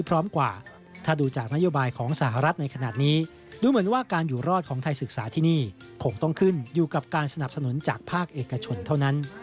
รู้เหมือนว่าการอยู่รอดของไทยศึกษาที่นี่คงต้องขึ้นอยู่กับการสนับสนุนจากภาคเอกชนเท่านั้น